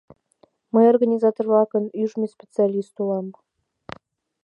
— Мый организатор-влакын ӱжмӧ специалист улам.